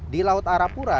di laut arapura